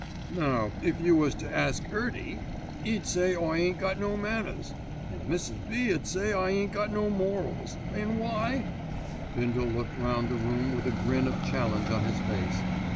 "Now, if you was to ask 'Earty, 'e'd say I ain't got no manners; an' Mrs. B. 'ud say I ain't got no morals, an' why?" Bindle looked round the room with a grin of challenge on his face.